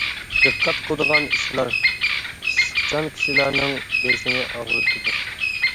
دىققەت قىلىدىغان ئىشلار : ئىسسىقچان كىشىلەرنىڭ بېشىنى ئاغرىتىدۇ.